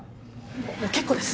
もう結構です！